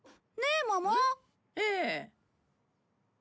ええ。